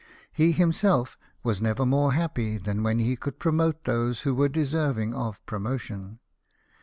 He himself was never more happy than when he could promote those Avho were deserv ing of promotion.